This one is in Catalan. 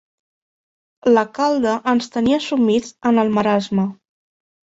La calda ens tenia sumits en el marasme.